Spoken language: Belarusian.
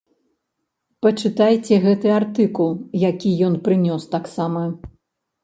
Пачытайце гэты артыкул, які ён прынёс таксама.